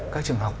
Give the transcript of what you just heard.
các trường học